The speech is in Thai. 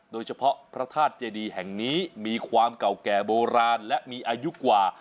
โดยเฉพาะพระธาตุเจดีแห่งนี้มีความเก่าแก่โบราณและมีอายุกว่า